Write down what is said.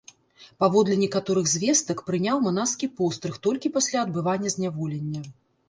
Паводле некаторых звестак, прыняў манаскі пострыг толькі пасля адбывання зняволення.